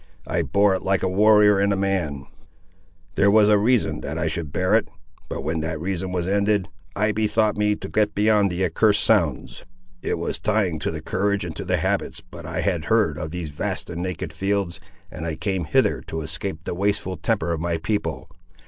I bore it like a warrior and a man; there was a reason that I should bear it: but when that reason was ended, I bethought me to get beyond the accursed sounds. It was trying to the courage and to the habits, but I had heard of these vast and naked fields, and I came hither to escape the wasteful temper of my people.